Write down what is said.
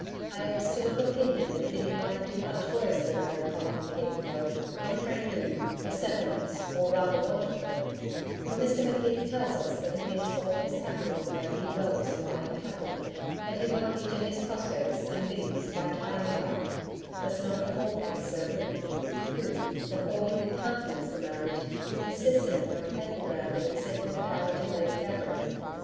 I am still of opinion that Biddy might do much worse than marry Colin McKeith, though, ENTRE NOUS, the settlements or rather want of them for Mr McKeith tells us that he needs all his capital for making wells and buying cattle, and he won't injure his prospects and Biddy's by tying it up does not at all please Sir Luke, who, before he would countenance the marriage, insisted upon a cablegram being sent to the Dowager Lady Gaverick.